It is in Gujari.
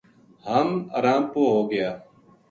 ہم ارام پو ہو گیا